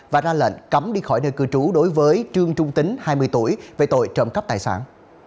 và ra lệnh cấm đi khỏi nơi cư trú đối với trương trung tính hai mươi tuổi về tội trộm cắp tài sản